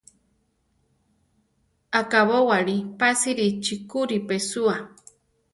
Akabówali pásiri chikúri pesúa.